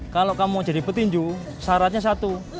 kalau kamu jadi petinju syaratnya satu